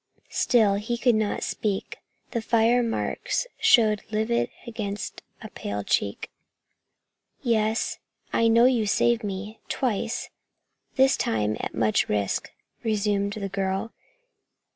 Still he could not speak. The fire marks showed livid against a paling cheek. "Yes, I know you saved me twice, this time at much risk," resumed the girl.